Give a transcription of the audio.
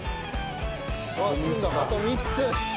あと３つ。